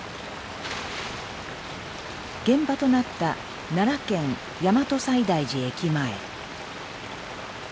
現場となった奈良県大和西大寺駅前。